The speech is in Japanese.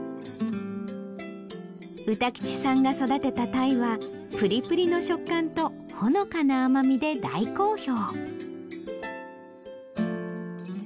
歌吉さんが育てたタイはプリプリの食感とほのかな甘みで大好評。